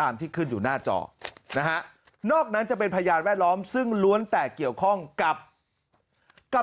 ตามที่ขึ้นอยู่หน้าจอนะฮะนอกนั้นจะเป็นพยานแวดล้อมซึ่งล้วนแต่เกี่ยวข้องกับกับ